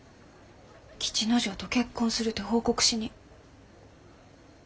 吉之丞と結婚するて報告しに。